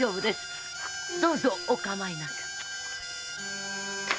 どうぞお構いなく。